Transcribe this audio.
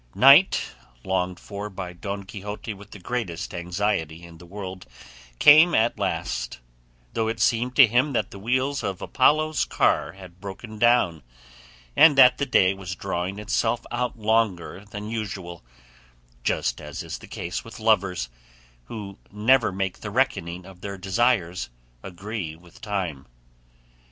Night, longed for by Don Quixote with the greatest anxiety in the world, came at last, though it seemed to him that the wheels of Apollo's car had broken down, and that the day was drawing itself out longer than usual, just as is the case with lovers, who never make the reckoning of their desires agree with time.